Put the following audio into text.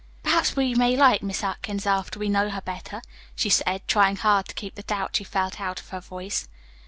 "Perhaps we may like Miss Atkins after we know her better," she said, trying hard to keep the doubt she felt out of her voice.